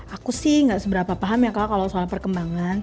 aku sih nggak seberapa paham ya kak kalau soal perkembangan